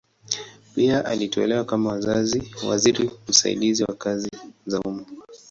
Pia aliteuliwa kama waziri msaidizi wa kazi za umma.